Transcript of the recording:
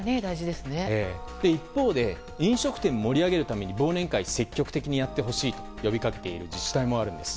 一方で飲食店を盛り上げるために忘年会を積極的にやってほしいと呼びかけている自治体もあるんです。